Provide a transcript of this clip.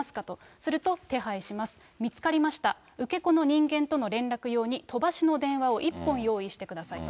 すると、手配します、見つかりました、受け子の人間との連絡用に飛ばしの電話を一本用意してくださいと。